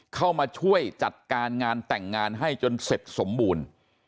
เข้ามาช่วยจัดการงานแต่งงานให้จนเสร็จสมบูรณ์